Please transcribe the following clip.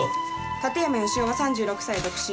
館山義男は３６歳独身。